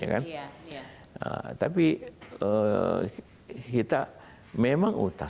kita memang utang